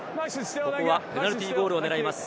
ここはペナルティーゴールを狙います。